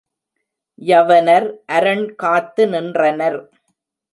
யவனர் அரண் காத்து நின்றனர்.